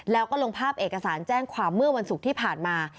แล้วก็ลงภาพเอกสารแจ้งความเมื่อวันศุกร์ที่ผ่านมา